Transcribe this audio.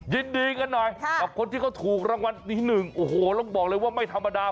ยินดีกันหน่อยกับคนที่เขาถูกรางวัลที่หนึ่งโอ้โหต้องบอกเลยว่าไม่ธรรมดา